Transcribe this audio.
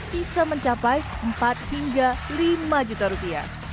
bisa mencapai rp empat hingga rp lima